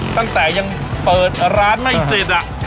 ตั้งแต่ยังเปิดร้านไม่เสร็จ